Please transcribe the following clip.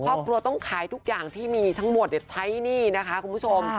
ครอบครัวต้องขายทุกอย่างที่มีทั้งหมดใช้หนี้นะคะคุณผู้ชม